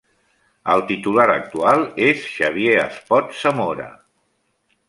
El titular actual és Xavier Espot Zamora.